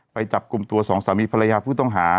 ไปจับกลุ่มตัวสองสามีภรรยาผู้ต้องหา